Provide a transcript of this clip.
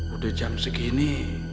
udah jam segini